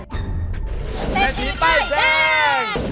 เศรษฐีป้ายแดง